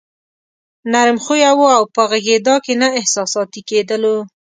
نرم خويه وو او په غږېدا کې نه احساساتي کېدلو.